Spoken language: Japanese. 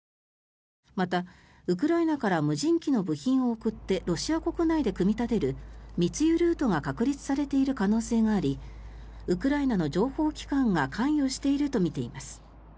また、ウクライナから無人機の部品を送ってロシア国内で組み立てる密輸ルートが確立されている可能性がありウクライナの情報機関が関与しているとみています。